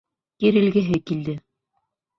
Кирелгеһе килде.